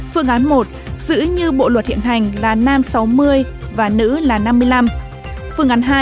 phương án một